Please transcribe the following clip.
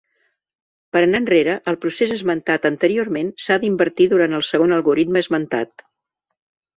Per anar enrere, el procés esmentat anteriorment s'ha d'invertir durant el segon algoritme esmentat.